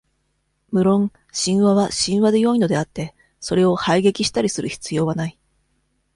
無論、神話は神話でよいのであって、それを排撃したりする必要はない。